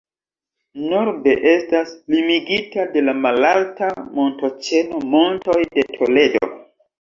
Norde estas limigita de la malalta montoĉeno Montoj de Toledo.